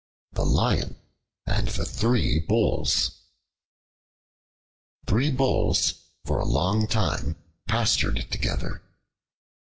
The Lion and the Three Bulls THREE BULLS for a long time pastured together.